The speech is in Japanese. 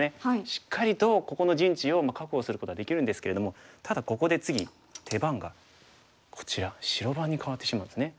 しっかりとここの陣地を確保することはできるんですけれどもただここで次手番がこちら白番に代わってしまうんですね。